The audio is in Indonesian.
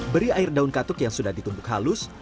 beri air daun katuk yang sudah ditumbuk halus